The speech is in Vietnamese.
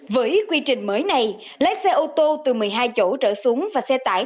với quy trình mới này lái xe ô tô từ một mươi hai chỗ trở xuống và xe tải